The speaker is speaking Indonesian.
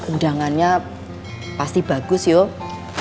udangannya pasti bagus yuk